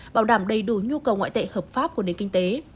bảo đảm đầy đủ nhu cầu ngoại tệ hợp pháp của nền kinh tế